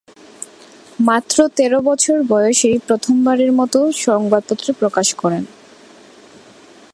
মাত্র তেরো বছর বয়সেই প্রথমবারের মতো সংবাদপত্রে প্রকাশ করেন।